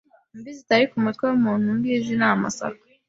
imvi zitari ku mutwe w'umuntu ngiz ni amasaka